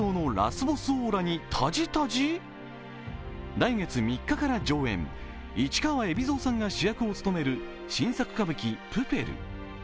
来月３日から上演、市川海老蔵さんが主役を務める新作歌舞伎「プペル」。